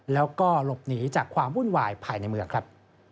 แล้วก็หลบหนีจากความวุ่นวายภายในเมืองครับ